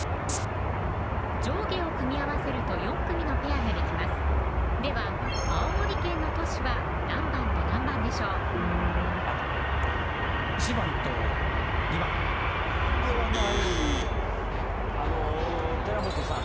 上下を組み合わせると４組のペアができますでは青森県の都市は何番と何番でしょう赤１番と２番ではないあの寺本さん